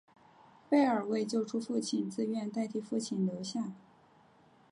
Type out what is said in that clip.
贝儿为救出父亲自愿代替父亲留下。